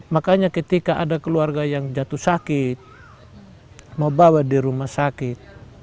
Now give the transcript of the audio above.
makanya ketika ada keluarga yang jatuh sakit mau bawa di rumah sakit